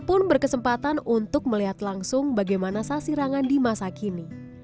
pun berkesempatan untuk melihat langsung bagaimana sasirangan di masa kini